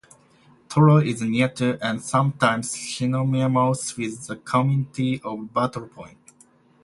Tolo is near to, and sometimes synonymous with, the community of Battle Point.